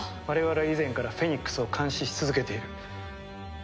我々は以前からフェニックスを監視し続けている。